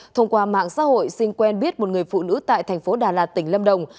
thông qua mạng xã hội sinh quen biết một người phụ nữ tại thành phố đà lạt tỉnh lâm đồng